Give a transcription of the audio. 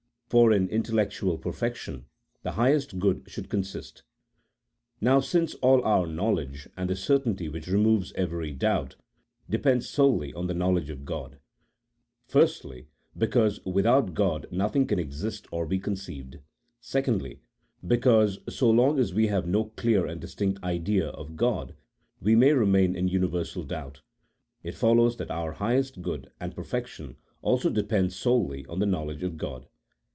For in intellectual perfection the highest good should consist. Now, since all our knowledge, and the certainty which removes every doubt, depend solely on the knowledge of God ;— firstly, because without God nothing can exist or be conceived ; secondly, because so long as we have no clear and distinct idea of God we may remain in universal doubt — it follows that our highest good and per fection also depend solely on the knowledge of God.